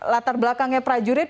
sekarangnya para jurid